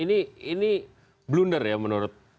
ini blunder ya menurut